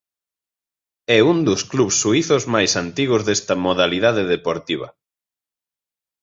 É un dos clubs suízos máis antigos desta modalidade deportiva.